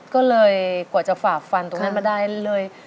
ก็เลยกว่าจะฝ่าฟันตรงนั้นมาได้เลย